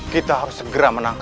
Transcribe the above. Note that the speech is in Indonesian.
dia bisa melakukan apa saja